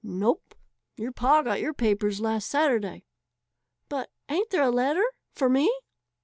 "Nope; your pa got your papers last Saturday." "But ain't there a letter for me?"